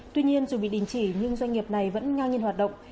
tuy nhiên dù bị đình chỉ nhưng doanh nghiệp này vẫn ngang nhiên hoạt động